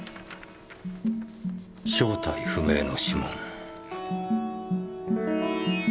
正体不明の指紋。